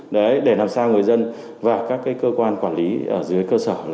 để làm sao người dân và các cơ quan quản lý dưới cơ sở